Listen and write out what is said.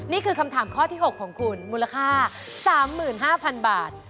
นี่คือคำถามข้อที่๖ของคุณมูลค่า๓๕๐๐๐บาท